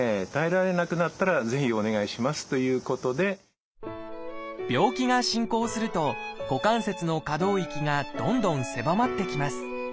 もう少し自分で病気が進行すると股関節の可動域がどんどん狭まってきます。